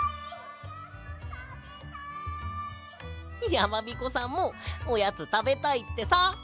やまびこさんもおやつたべたいってさ。